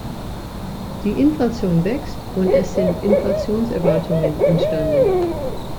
Die Inflation wächst und es sind Inflationserwartungen entstanden.